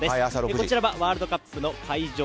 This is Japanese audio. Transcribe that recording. こちらはワールドカップの会場